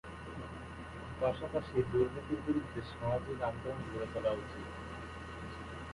পাশাপাশি দুর্নীতির বিরুদ্ধে সামাজিক আন্দোলন গড়ে তোলা উচিত।